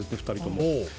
２人とも。